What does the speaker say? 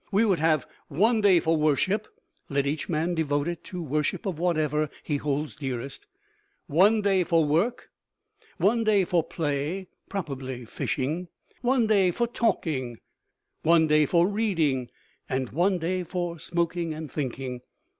We would have one day for Worship (let each man devote it to worship of whatever he holds dearest); one day for Work; one day for Play (probably fishing); one day for Talking; one day for Reading, and one day for Smoking and Thinking.